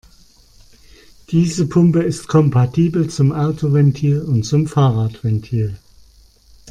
Diese Pumpe ist kompatibel zum Autoventil und zum Fahrradventil.